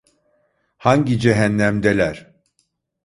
Hangi cehennemdeler?